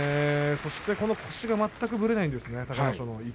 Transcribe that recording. そして腰が全くぶれないんですね。